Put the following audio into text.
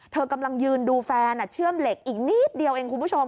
กำลังยืนดูแฟนเชื่อมเหล็กอีกนิดเดียวเองคุณผู้ชม